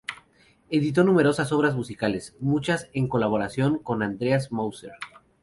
Editó numerosas obras musicales, muchas en colaboración con Andreas Moser.